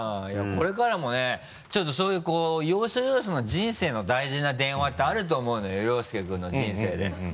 これからもねちょっとそういう要所要所の人生の大事な電話ってあると思うのよ僚介君の人生で。